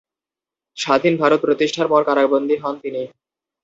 স্বাধীন ভারত প্রতিষ্ঠার পর কারাবন্দী হন তিনি।